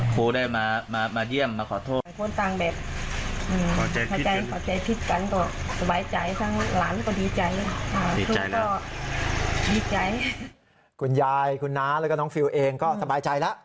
คุณยายคุณน้าแล้วก็น้องฟิลเองก็สบายใจแล้ว